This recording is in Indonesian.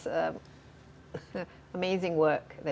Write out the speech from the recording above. kerja lu luar biasa